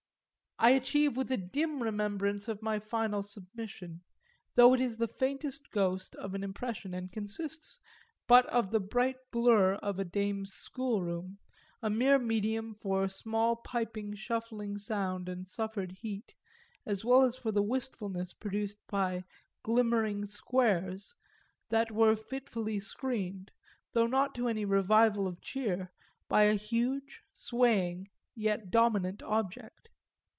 I achieve withal a dim remembrance of my final submission, though it is the faintest ghost of an impression and consists but of the bright blur of a dame's schoolroom, a mere medium for small piping shuffling sound and suffered heat, as well as for the wistfulness produced by "glimmering squares" that were fitfully screened, though not to any revival of cheer, by a huge swaying, yet dominant object.